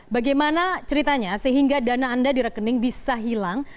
bagaimana ceritanya sehingga dana anda di rekening bisa hilang